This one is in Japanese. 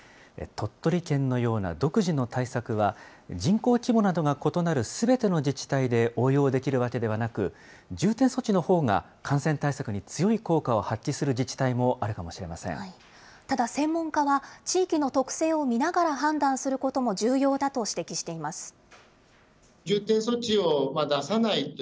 鳥取県のような独自の対策は、人口規模などが異なるすべての自治体で応用できるわけではなく、重点措置のほうが感染対策に強い効果を発揮する自治体もあるかもただ、専門家は地域の特性を見ながら判断することも重要だと指摘しています。